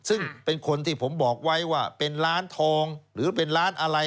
ซึ่งเป็นคนที่ผมบอกไว้ว่าเป็นร้านทองหรือเป็นร้านอะไร